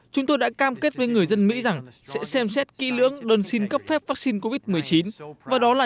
chúng tôi đã cam kết với người dân mỹ rằng sẽ xem xét kỹ lưỡng đơn xin cấp phép vaccine covid một mươi chín và đó là những gì chúng tôi đã làm